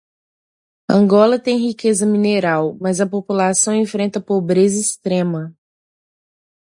Angola tem riqueza mineral, mas a população enfrenta pobreza extrema